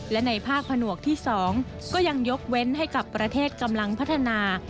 และในภาคผนวกที่๒ก็ยังยกเว้นให้กับประเทศกำลังพัฒนา